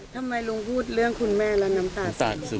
ทำไมลุงพูดเรื่องคุณแม่เราน้ำตาดซึม